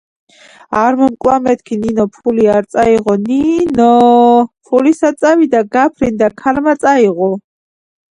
არმომკლა მეთქი ნინო ფული არ წაიღო ნინოოოოოოოოოოოოოო, ფული სად წავიდა გაფრინდაა ქარმა წაიგო